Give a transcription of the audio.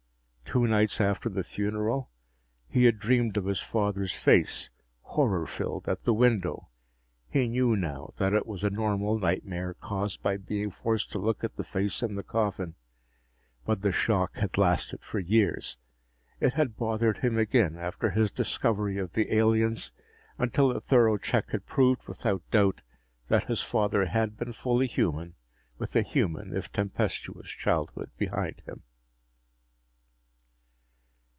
Two nights after the funeral, he had dreamed of his father's face, horror filled, at the window. He knew now that it was a normal nightmare, caused by being forced to look at the face in the coffin, but the shock had lasted for years. It had bothered him again, after his discovery of the aliens, until a thorough check had proved without doubt that his father had been fully human, with a human, if tempestuous, childhood behind him.